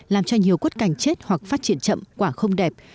làm cho nhiều quất cảnh chết hoặc phát triển chậm quả không đẹp